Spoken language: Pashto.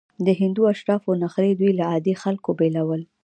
د هندو اشرافو نخرې دوی له عادي خلکو بېلول.